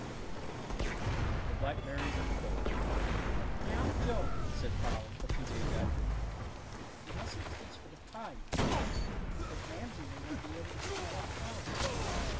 XXIII THE BLACKBERRIES AND THE BULL "Now, Joel," said Polly, a few days after, "you mustn't tease for the pie, you know, 'cause Mamsie may not be able to get the white flour."